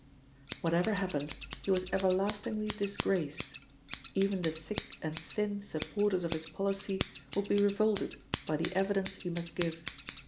Whatever happened, he was everlastingly disgraced; even the thick and thin supporters of his policy would be revolted by the evidence he must give.